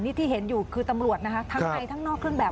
นี่ที่เห็นอยู่คือตำรวจนะคะทั้งในทั้งนอกเครื่องแบบ